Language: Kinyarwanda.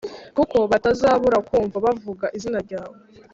kuko batazabura kumva bavuga izina ryawe